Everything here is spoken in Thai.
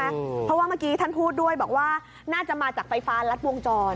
เพราะว่าเมื่อกี้ท่านพูดด้วยบอกว่าน่าจะมาจากไฟฟ้ารัดวงจร